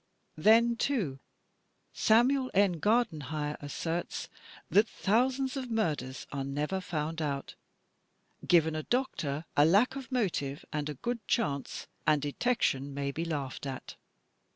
Then FALSE DEVICES 211 too, Samuel N. Gardenhire asserts that "thousands of mur ders are never foimd out. Given a doctor, a lack of motive and a good chance, and detection may be laughed at."